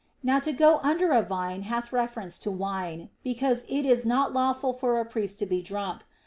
Now to go under a vine hath reference to wine, because it is not lawful for a priest to be drunk.